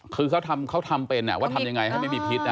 คือเขาทำเป็นว่าทำยังไงให้ไม่มีพิษ